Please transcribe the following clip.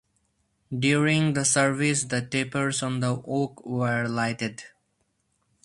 During the service the tapers on the oak were lighted.